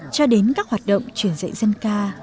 cho đến các hoạt động truyền dạy dân ca